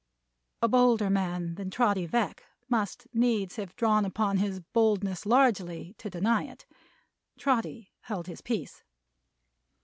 A bolder man than Trotty Veck must needs have drawn upon his boldness largely, to deny it. Trotty held his peace.